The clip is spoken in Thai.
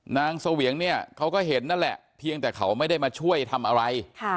เสวียงเนี่ยเขาก็เห็นนั่นแหละเพียงแต่เขาไม่ได้มาช่วยทำอะไร